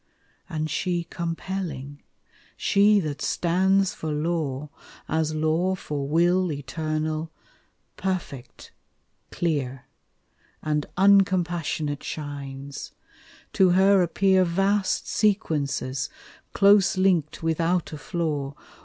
And she compelling, she that stands for law, As law for Will eternal, perfect, clear, And uncompassionate shines: to her appear Vast sequences close linked without a flaw.